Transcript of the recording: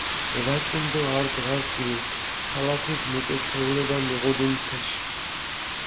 ევაკინი დო ართ დღას გილურქ ქალაქის მუჭო ჩვეულება მიღუდუნ თეში.